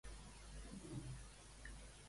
Com va reaccionar Pirene?